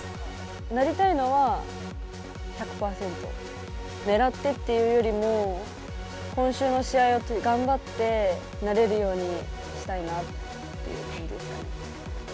なりたいのは１００％、狙ってっていうよりも、今週の試合を頑張ってなれるようにしたいなっていう感じですかね。